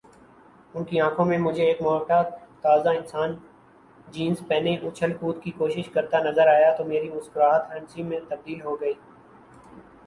ان کی آنکھوں میں مجھے ایک موٹا تازہ انسان جینز پہنے اچھل کود کی کوشش کرتا نظر آیا تو میری مسکراہٹ ہنسی میں تبدیل ہوگئی